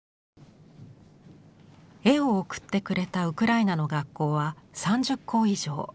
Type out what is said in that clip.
絵を送ってくれたウクライナの学校は３０校以上。